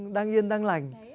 đang yên đang lành